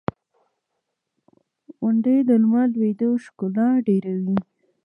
• غونډۍ د لمر لوېدو ښکلا ډېروي.